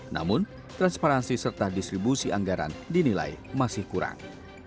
namun transparansi serta distribusi anggaran dinilai masih kurang